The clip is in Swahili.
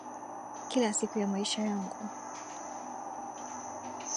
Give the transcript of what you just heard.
Kila siku ya maisha yangu.